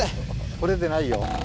掘れてないよ。